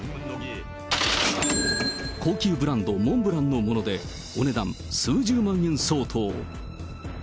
高級ブランド、モンブランのもので、お値段数十万円相当。